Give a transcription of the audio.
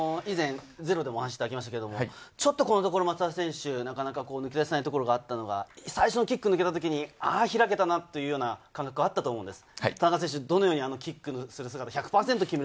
キックという意味では以前『ｚｅｒｏ』でもお話ありましたけれども、ちょっとこのところ松田選手、なかなか抜け出せないところがあったのが最初のキックを見たときに開けたなという感覚があったと思います。